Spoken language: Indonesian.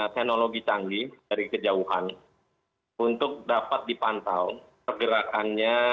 teknologi canggih dari kejauhan untuk dapat dipantau pergerakannya